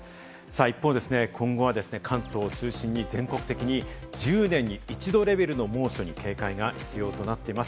一方、今後は関東を中心に全国的に１０年に一度レベルの猛暑に警戒が必要となってます。